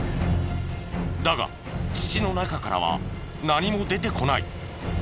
だが土の中からは何も出てこない。